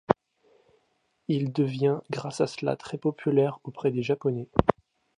Il devient grâce à cela très populaire auprès des Japonais.